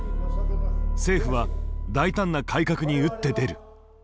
政府は大胆な改革に打って出る。